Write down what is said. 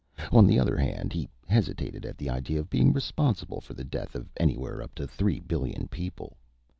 On the other hand, he hesitated at the idea of being responsible for the death of anywhere up to three billion people.